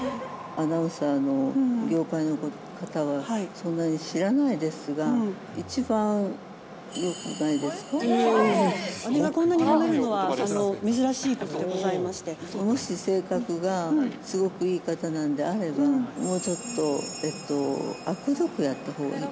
アナウンサーの業界の方は、そんなに知らないですが、姉がこんなに褒めるのは珍しもし性格がすごくいい方なんであれば、もうちょっとあくどくやったほうがいい。